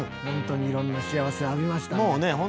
本当にいろんな幸せを浴びましたね。